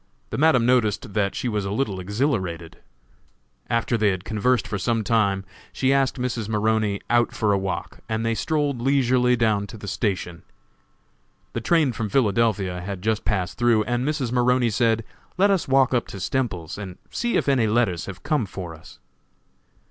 The Madam noticed that she was a little exhilarated. After they had conversed for some time she asked Mrs. Maroney out for a walk, and they strolled leisurely down to the station. The train from Philadelphia had just passed through, and Mrs. Maroney said: "Let us walk up to Stemples's and see if any letters have come for us."